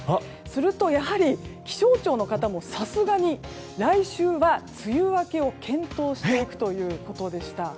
すると、やはり気象庁の方もさすがに来週は梅雨明けを検討していくということでした。